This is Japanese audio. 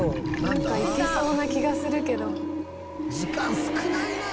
「なんかいけそうな気がするけど」「時間少ないな！」